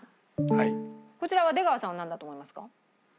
こちらは出川さんはなんだと思いますか？